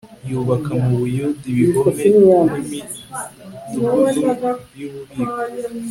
yubaka mu Buyuda ibihome nimidugudu yububiko